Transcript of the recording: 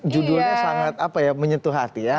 judulnya sangat menyentuh hati ya